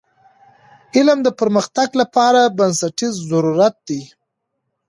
علم د پرمختګ لپاره بنسټیز ضرورت دی.